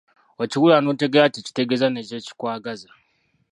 Okiwulira n'otegeera kye kitegeeza ne kye kikwagaza?